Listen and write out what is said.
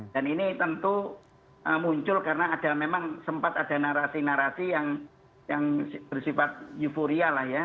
dan ini tentu muncul karena memang sempat ada narasi narasi yang bersifat euforial ya